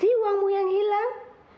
berapa sih uangmu yang hilang